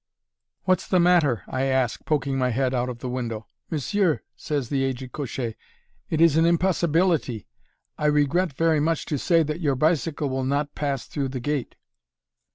"What's the matter?" I ask, poking my head out of the window. "Monsieur," says the aged cocher, "it is an impossibility! I regret very much to say that your bicycle will not pass through the gate."